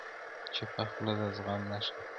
چپه خوله، د زغم نښه ده.